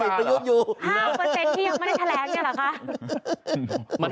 ๕ที่ยังไม่ได้แถลงเนี่ยเหรอคะ